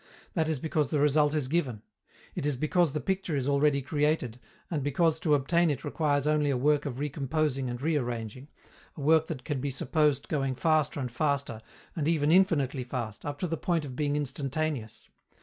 That is because the result is given. It is because the picture is already created, and because to obtain it requires only a work of recomposing and rearranging a work that can be supposed going faster and faster, and even infinitely fast, up to the point of being instantaneous.